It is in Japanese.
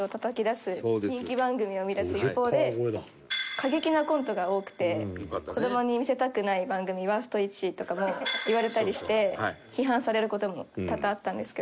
過激なコントが多くて子どもに見せたくない番組ワースト１位とかもいわれたりして批判される事も多々あったんですけど。